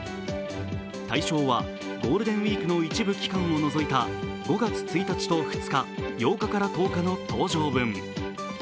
対象はゴールデンウイークの一部期間を除いた５月１日と２日、８日から１０日の搭乗分。